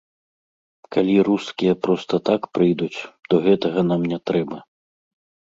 Калі рускія проста так прыйдуць, то гэтага нам не трэба.